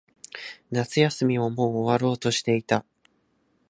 夏休みももう終わろうとしていた。